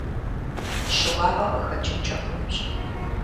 Щыуагъэ къыхэкӏынкӏэ хъунущ.